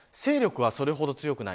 勢力はそれほど強くない。